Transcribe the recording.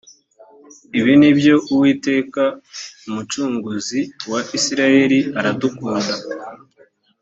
ibi ni ibyo uwiteka umucunguzi wa isirayeli aradukunda